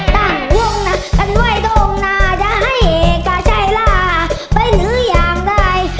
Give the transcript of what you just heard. ตั้งวงนะทันไหวโด่งหน้าจะให้เหก่าใช่ล่ะไปหรือยังได้